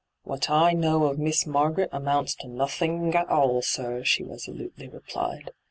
' What I know of Miss Mai^aret amounts to nothing at all, sir,' she resolutely replied.